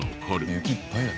雪いっぱいだ。